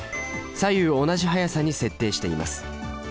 左右同じ速さに設定しています。